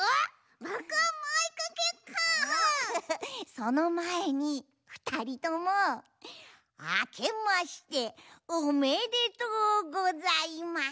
そのまえにふたりともあけましておめでとうございます！